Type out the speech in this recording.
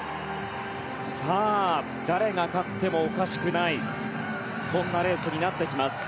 さあ、誰が勝ってもおかしくないそんなレースになってきます。